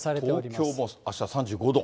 東京もあした３５度。